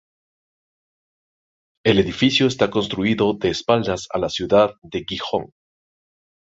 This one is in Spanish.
El edificio está construido de espaldas a la ciudad de Gijón.